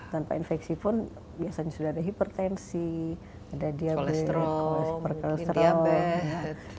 tanpa infeksi pun biasanya sudah ada hipertensi ada diabetes kolesterol diambil diabetes